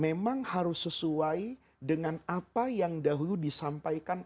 memang harus sesuai dengan apa yang dahulu disampaikan